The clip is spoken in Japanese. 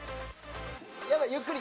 やばいゆっくり。